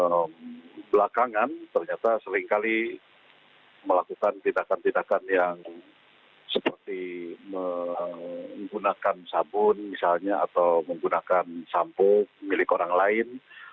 dan belakangan ternyata seringkali melakukan tindakan tindakan yang seperti menggunakan sabun misalnya atau menggunakan sampo milik orang lain